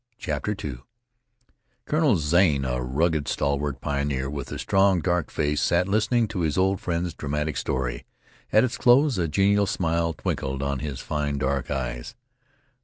CHAPTER II Colonel Zane, a rugged, stalwart pioneer, with a strong, dark face, sat listening to his old friend's dramatic story. At its close a genial smile twinkled in his fine dark eyes.